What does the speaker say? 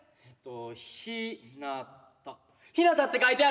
ひなたひなたって書いてある！